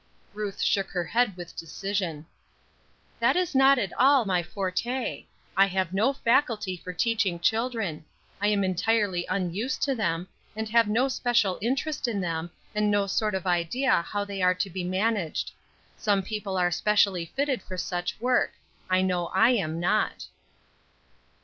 Ruth shook her head with decision. "That is not at all my forte. I have no faculty for teaching children; I am entirely unused to them, and have no special interest in them, and no sort of idea how they are to be managed. Some people are specially fitted for such work; I know I am not."